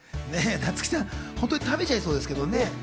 夏木さん、本当に食べちゃいそうですけどね。